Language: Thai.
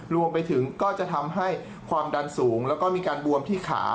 รวมไปถึงก็จะทำให้ความดันสูงแล้วก็มีการบวมที่ขา